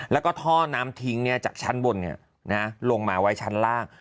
แล้วก็ท่อน้ำทิ้งเนี่ยจากชั้นบนเนี่ยนะลงมาไว้ชั้นล่าง